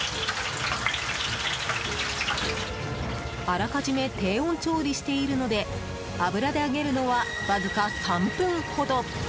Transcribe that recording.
あらかじめ低温調理しているので油で揚げるのは、わずか３分ほど。